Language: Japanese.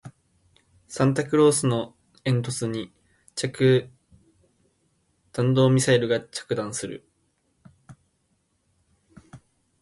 サンタクロースの煙突に弾道ミサイルが着弾する